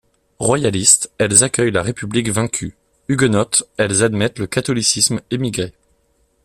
Royalistes, elles accueillent la république vaincue ; huguenotes, elles admettent le catholicisme émigré.